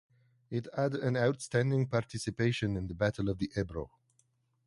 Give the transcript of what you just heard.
It had an outstanding participation in the Battle of the Ebro.